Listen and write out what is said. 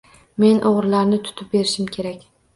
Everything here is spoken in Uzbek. Men o`g`rilarni tutib berishim kerak